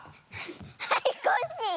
はいコッシー。